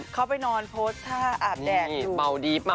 เข้าไปนอนโพสธ่าอาบแดดอยู่